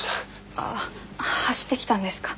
ああ走ってきたんですか？